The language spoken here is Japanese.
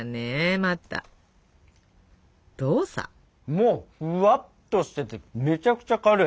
もうふわっとしててめちゃくちゃ軽い。